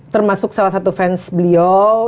termasuk salah satu fans beliau